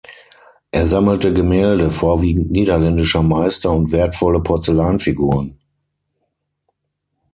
Er sammelte Gemälde vorwiegend niederländischer Meister und wertvolle Porzellanfiguren.